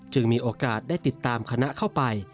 มีโอกาสได้ติดตามคณะเข้าไป